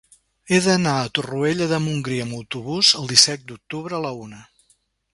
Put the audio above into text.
He d'anar a Torroella de Montgrí amb autobús el disset d'octubre a la una.